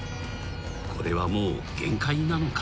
［これはもう限界なのか？］